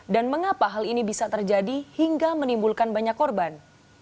dan mengapa hal ini bisa terjadi hingga menimbulkan banyak korban